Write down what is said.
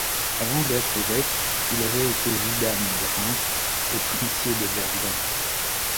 Avant d'être évêque, il avait été vidame de Reims et Princier de Verdun.